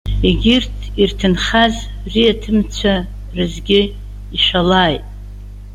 Егьырҭ ирҭынхаз риаҭымцәа рызгьы ишәалааит.